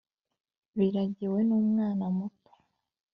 Biragiwe n umwana muto